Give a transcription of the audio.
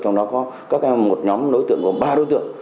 trong đó có các em một nhóm đối tượng gồm ba đối tượng